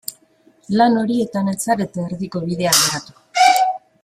Lan horietan ez zarete erdiko bidean geratu.